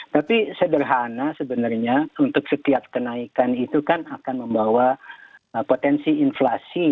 tapi sederhana sebenarnya untuk setiap kenaikan itu kan akan membawa potensi inflasi